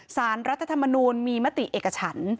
สารรัฐธรรมนูลมีมติเอกฉัน